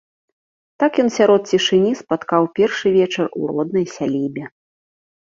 Так ён сярод цішыні спаткаў першы вечар у роднай сялібе.